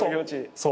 そう。